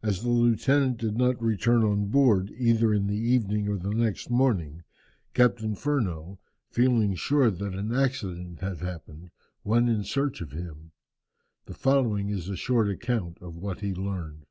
As the lieutenant did not return on board either in the evening or the next morning, Captain Furneaux, feeling sure that an accident had happened, sent in search of him. The following is a short account of what he learned.